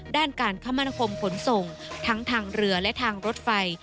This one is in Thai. ด้านการคมนาคมขนส่งทั้งทางเรือและทางรถไฟ